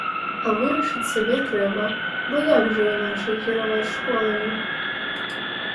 А вырашыць сабе трэба, бо як жа іначай кіраваць школамі.